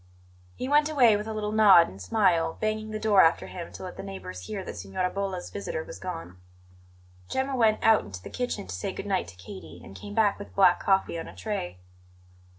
He went away with a little nod and smile, banging the door after him to let the neighbours hear that Signora Bolla's visitor was gone. Gemma went out into the kitchen to say good night to Katie, and came back with black coffee on a tray.